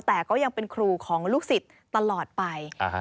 แต่ก็ยังเป็นครูของลูกศิษย์ตลอดไป